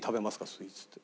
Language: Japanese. スイーツって。